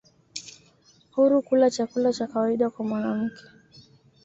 huru kula chakula cha kawaida kwa mwanamke